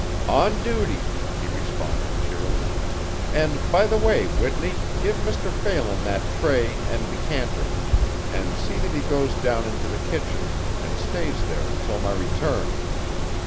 "On duty," he responded cheerily. "And by the way, Whitney, give Mr. Phelan that tray and decanter and see that he goes down into the kitchen and stays there until my return.